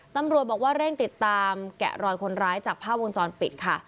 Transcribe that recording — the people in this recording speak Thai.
ตำรวจบอกว่าเร่งติดตามแกะรอยคนร้ายจากภาพวงจรปิดค่ะ